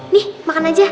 nih makan aja